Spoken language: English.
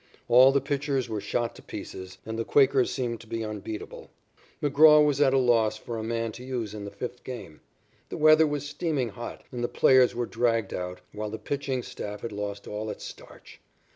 All the pitchers were shot to pieces, and the Quakers seemed to be unbeatable. McGraw was at a loss for a man to use in the fifth game. The weather was steaming hot, and the players were dragged out, while the pitching staff had lost all its starch.